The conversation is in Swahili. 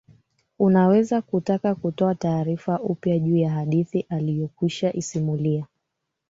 unaweza kutaka kutoa tarifa upya juu ya hadithi uliyokwisha isimulia